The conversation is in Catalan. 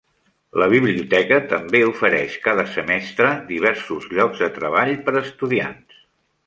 La biblioteca també ofereix cada semestre diversos llocs de treball per a estudiants.